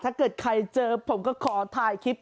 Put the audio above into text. ถ้าเกิดใครเจอผมก็ขอถ่ายคลิป